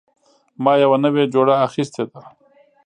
ما یوه نوې جوړه اخیستې ده